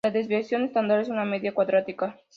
La desviación estándar es una media cuadrática.